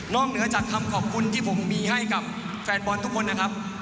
เหนือจากคำขอบคุณที่ผมมีให้กับแฟนบอลทุกคนนะครับ